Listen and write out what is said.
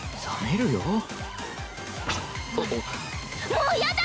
もうやだ！